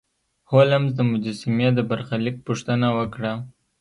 هولمز د مجسمې د برخلیک پوښتنه وکړه.